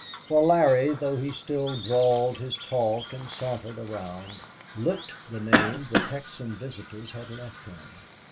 For Larry, though he still drawled his talk and sauntered around, looked the name the Texan visitors had left him.